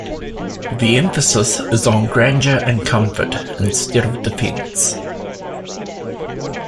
The emphasis is on grandeur and comfort instead of defence.